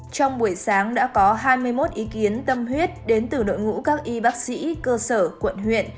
trong buổi sáng đã có hai mươi một ý kiến tâm huyết đến từ đội ngũ các y bác sĩ cơ sở quận huyện